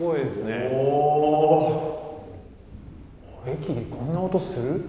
駅でこんな音する？